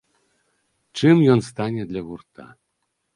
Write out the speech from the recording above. Чым ён стане для гурта?